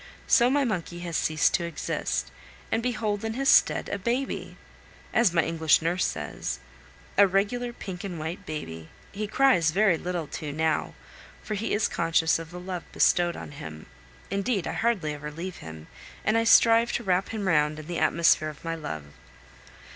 So my monkey has ceased to exist, and behold in his stead a baby, as my English nurse says, a regular pink and white baby. He cries very little too now, for he is conscious of the love bestowed on him; indeed, I hardly ever leave him, and I strive to wrap him round in the atmosphere of my love.